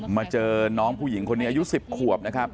มาเจอน้องผู้หญิงคนนี้อายุ๑๐ขวบนะครับ